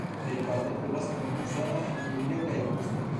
Plejparte pluvas dum musono en julio kaj aŭgusto.